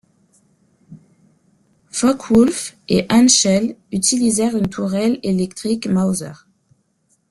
Focke-Wulf et Henschel utilisèrent une tourelle électrique Mauser.